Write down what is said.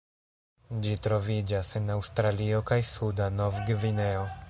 Ĝi troviĝas en Aŭstralio kaj suda Novgvineo.